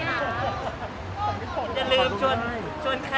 เอาเรื่องต่อไป